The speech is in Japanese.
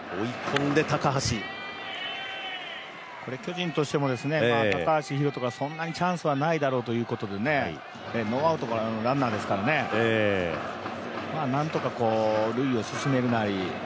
巨人としても高橋宏斗がそんなにチャンスはないだろうということでノーアウトからのランナーですからね、なんとか塁を進めるなり